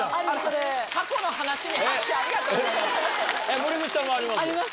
森口さんもあります？